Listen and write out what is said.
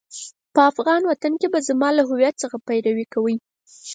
په افغان وطن کې به زما له هويت څخه پيروي کوئ.